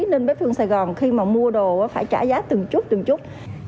nên bếp thương sài gòn khi mà mua đồ phải trả giá từng chút từng chút